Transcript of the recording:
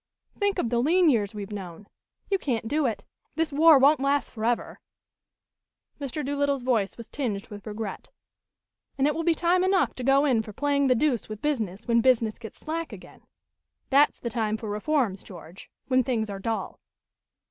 Think of the lean years we've known. You can't do it. This war won't last forever " Mr. Doolittle's voice was tinged with regret "and it will be time enough to go in for playing the deuce with business when business gets slack again. That's the time for reforms, George, when things are dull."